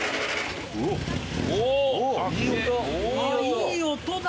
いい音だ。